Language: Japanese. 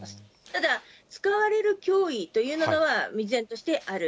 ただ、使われる脅威というものは、依然としてある。